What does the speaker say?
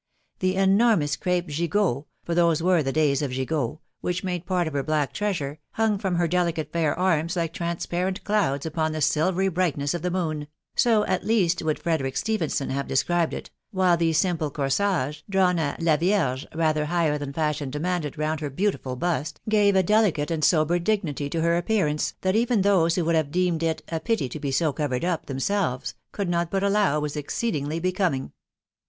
The enormous crape gigots (for those were the days of gigots), which made part of her black treasure, 'hung from her delicate fair arms like transparent clouds upon the silvery brightness of the moon .... so, at least, would 'Frederick Stepiunson lia/ve described it .... While the simple corsage, drawn d In vierge rather higher than 'fashion demanded Tound 4ier beautiful bust, gave a delicate and sober dignity to her appearance, that even those who would have deemed tt " a >pity to be so covered up " themselves, could not but allow was exocedmgly becoming.